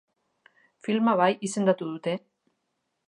Filma bai, izendatu dute.